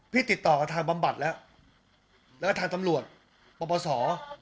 ติดต่อกับทางบำบัดแล้วแล้วก็ทางตำรวจปปศ